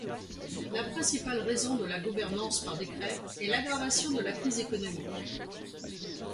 La principale raison de la gouvernance par décret est l'aggravation de la crise économique.